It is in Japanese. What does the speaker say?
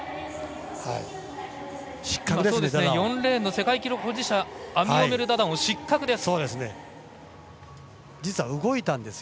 ４レーンの世界記録保持者アミオメル・ダダオン失格です。